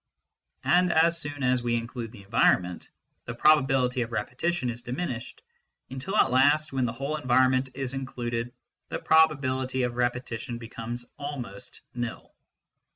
And as soon as we include the environment, the prob ability of repetition is diminished, until at last, when the whole environment is included, the probability of repeti tion be.comes almost nil.